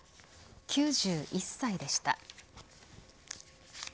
９１歳でした。